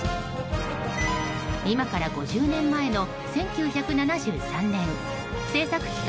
今から５０年前の１９７３年製作期間